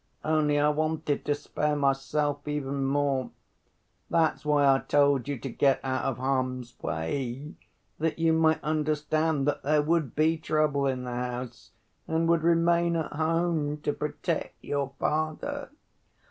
Only I wanted to spare myself even more. That's why I told you to get out of harm's way, that you might understand that there would be trouble in the house, and would remain at home to protect your father."